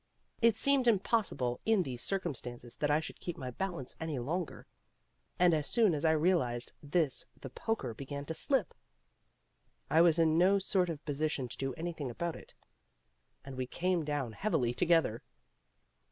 It seemed impossible in these circumstances that I should keep my balance any longer; and as soon as I realised this the poker began to slip. I was in no sort of position to do anything about it, and we came down heavily together.